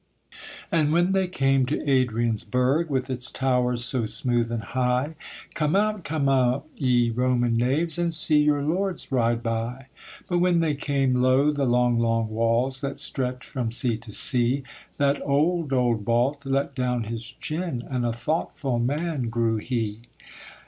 And when they came to Adrian's burgh, With its towers so smooth and high, 'Come out, come out, ye Roman knaves, And see your lords ride by.' But when they came lo the long long walls That stretch from sea to sea, That old old Balt let down his chin, And a thoughtful man grew he.